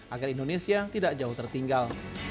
agar indonesia tidak jauh tertinggal